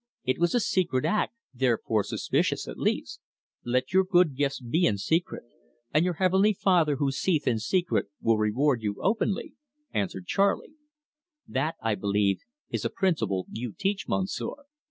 "It was a secret act, therefore suspicious at least." "'Let your good gifts be in secret, and your Heavenly Father who seeth in secret will reward you openly,"' answered Charley. "That, I believe, is a principle you teach, Monsieur."